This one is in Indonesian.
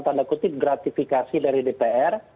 tanda kutip gratifikasi dari dpr